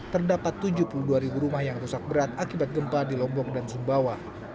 terdapat tujuh puluh dua ribu rumah yang rusak berat akibat gempa di lombok dan sumbawa